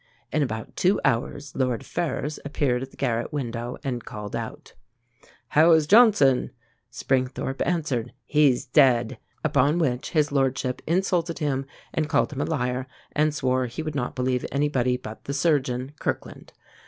In about two hours Lord Ferrers appeared at the garret window, and called out: 'How is Johnson?' Springthorpe answered: 'He is dead,' upon which his lordship insulted him, and called him a liar, and swore he would not believe anybody but the surgeon, Kirkland.